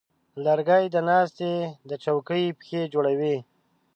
لرګی د ناستې د چوکۍ پښې جوړوي.